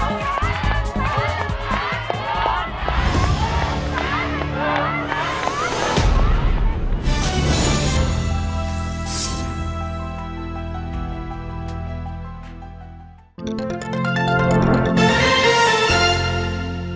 สวัสดีครับ